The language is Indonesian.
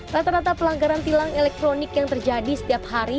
rata rata pelanggaran tilang elektronik yang terjadi setiap hari